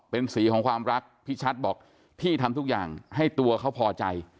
เป็นสีของความรักพี่ชัดบอกพี่ทำทุกอย่างให้ตัวเขาพอใจ